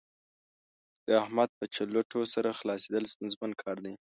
د احمد په چلوټو سر خلاصېدل ستونزمن کار دی.